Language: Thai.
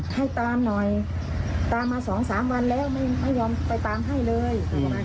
ให้ตามหน่อยตามมาสองสามวันแล้วไม่ยอมไปตามให้เลย